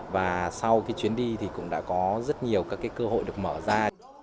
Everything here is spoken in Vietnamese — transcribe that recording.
và sau cái chuyến đi thì cũng đã có rất nhiều các cái cơ hội được mở ra